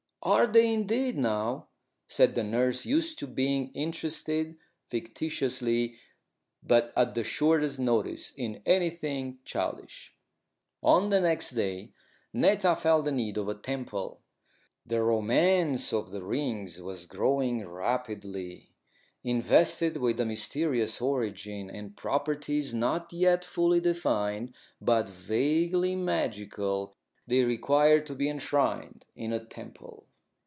"Are they, indeed, now?" said the nurse, used to being interested, fictitiously, but at the shortest notice, in anything childish. On the next day Netta felt the need of a temple. The romance of the rings was growing rapidly. Invested with a mysterious origin and properties not yet fully defined, but vaguely magical, they required to be enshrined in a temple.